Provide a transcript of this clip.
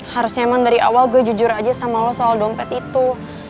harusnya emang dari awal gue jujur aja sama lo soal dompet itu